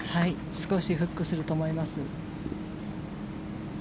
少しフックすると思います。